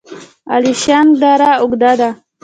الیشنګ دره اوږده ده؟